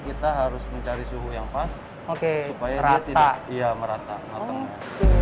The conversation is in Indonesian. kita harus mencari suhu yang pas supaya dia tidak merata matengnya